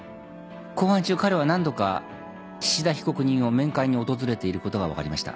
公判中彼は何度か岸田被告人を面会に訪れていることが分かりました。